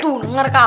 tuh denger kal